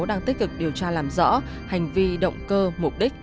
đang tích cực điều tra làm rõ hành vi động cơ mục đích